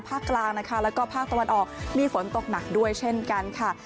กลางนะคะแล้วก็ภาคตะวันออกมีฝนตกหนักด้วยเช่นกันค่ะ